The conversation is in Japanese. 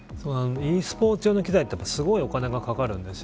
ｅスポーツ用の機材ってすごいお金がかかるんです。